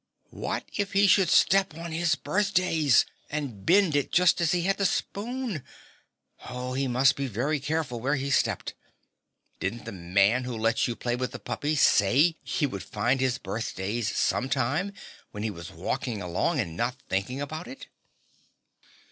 What if he should step on his birthdays and bend it just as he had the spoon? He must be very careful where he stepped. Didn't the Man Who Lets You Play with the Puppy say he would find his birthdays some time when he was walking along and not thinking about it?